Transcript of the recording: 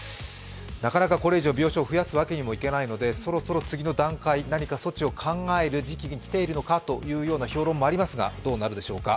なかなか、これ以上、病床を増やすわけにもいけないのでそろそろ次の段階、何か措置を考える時期に来ているという評論もありますが、どうなるでしょうか。